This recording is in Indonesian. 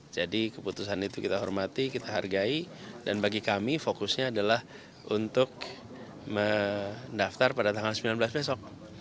jadi keputusan itu kita hormati kita hargai dan bagi kami fokusnya adalah untuk mendaftar pada tanggal sembilan belas besok